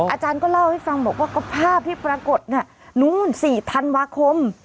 อาจารย์ก็เล่าให้ฟังบอกว่าก็ภาพที่ปรากฏเนี่ยนู่น๔ธันวาคม